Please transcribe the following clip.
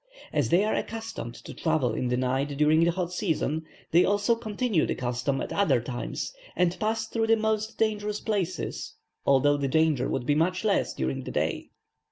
As they are accustomed to travel in the night during the hot season, they also continue the custom at other times, and pass through the most dangerous places, although the danger would be much less during the day.